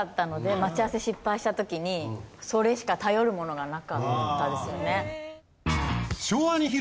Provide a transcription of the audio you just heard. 待ち合わせ失敗した時にそれしか頼るものがなかったですよね。